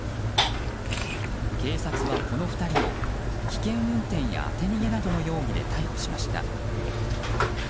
警察は、この２人を危険運転や当て逃げなどの容疑で逮捕しました。